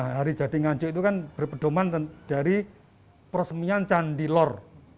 hari jadi nganjuk itu kan berpedoman dari persemian candilor